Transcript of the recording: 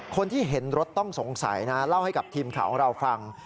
คนที่เห็นรถต้องสงสัยนะเล่าให้กับทีมข่าวของเราฟัง